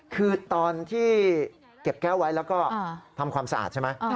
คือตอนที่เก็บแก้วไว้แล้วก็ทำความสะอาดใช่ไหม